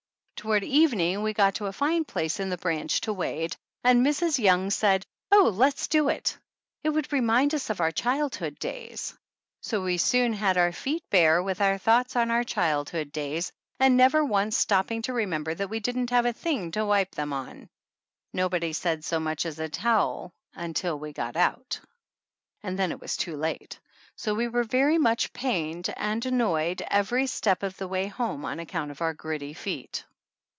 Toward evening we got to a fine place in the branch to wade and Mrs. Young said, oh, let's do it ; it would remind us of our childhood days. So we soon had our feet bare, with our thoughts on our childhood days, and never once stopping to remember that we didn't have a thing to wipe them on. Nobody said so much as towel until we got out, and then it was too late, so we were very much pained and annoyed every step of the way home on account of our gritty feet.